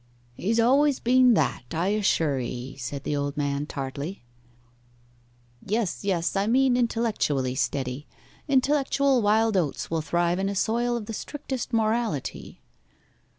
'He's always been that, I assure 'ee,' said the old man tartly. 'Yes yes I mean intellectually steady. Intellectual wild oats will thrive in a soil of the strictest morality.